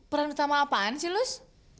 peran utama apaan sih luz